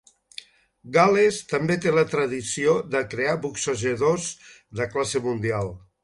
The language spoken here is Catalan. Gal·les també té la tradició de crear boxejadors de classe mundial.